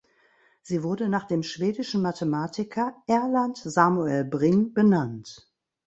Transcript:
Sie wurde nach dem schwedischen Mathematiker Erland Samuel Bring benannt.